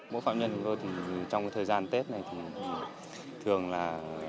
mỗi phạm nhân của tôi thì trong thời gian tết này thì thường là